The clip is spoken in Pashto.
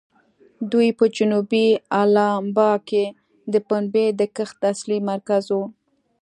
دوی په جنوبي الاباما کې د پنبې د کښت اصلي مرکز وو.